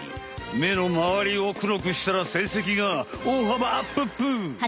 目のまわりを黒くしたらせいせきがおおはばアップップ！